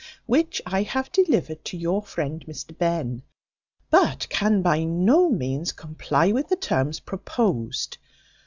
which I have delivered to your friend Mr Behn; but can by no means comply with the terms proposed.